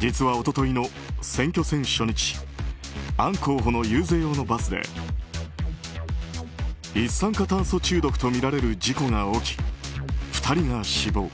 実は、一昨日の選挙戦初日アン候補の遊説用のバスで一酸化炭素中毒とみられる事故が起き２人が死亡。